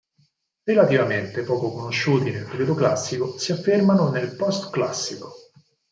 Relativamente poco conosciuti nel Periodo Classico, si affermano nel Postclassico.